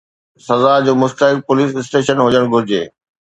سزا جو مستحق پوليس اسٽيشن هجڻ گهرجي.